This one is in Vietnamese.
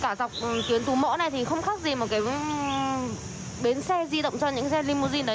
cả dọc tuyến phú mỡ này thì không khác gì một cái bến xe di động cho những gel limousine đấy